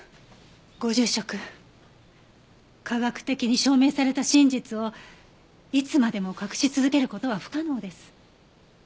ご住職科学的に証明された真実をいつまでも隠し続ける事は不可能です。